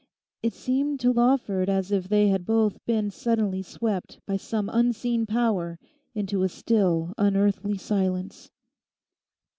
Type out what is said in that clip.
It seemed to Lawford as if they had both been suddenly swept by some unseen power into a still, unearthly silence.